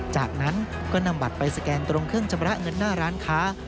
จากนั้นก็นำบัตรไปสแกนตรงเครื่องชำระเงินหน้าร้านค้า